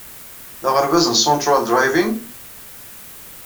D aɣerbaz n Central Driving?